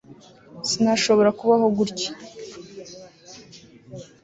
sinashoboraga kubaho gutya